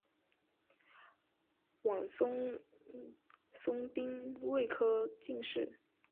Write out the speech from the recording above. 阮寿松丁未科进士。